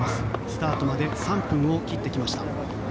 スタートまで３分を切ってきました。